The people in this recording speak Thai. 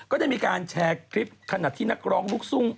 ก็ได้มีการแชร์คลิปขณะที่นักร้องลูกทุ่ง